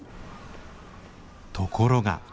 ところが。